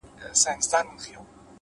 o ه بيا دي ږغ کي يو عالم غمونه اورم؛